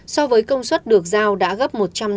so với công suất được giao đã gấp một trăm năm mươi